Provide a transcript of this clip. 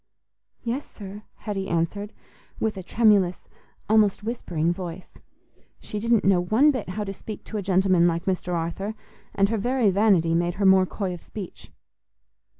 "Yes, sir," Hetty answered, with a tremulous, almost whispering voice. She didn't know one bit how to speak to a gentleman like Mr. Arthur, and her very vanity made her more coy of speech.